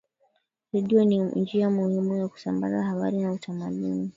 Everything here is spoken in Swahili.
redio ni njia muhimu ya kusambaza habari na utamaduni